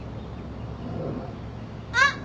あっ。